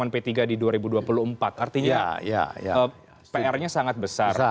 tapi kalau kita lihat rencana p tiga di dua ribu dua puluh empat artinya pr nya sangat besar